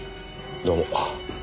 どうも。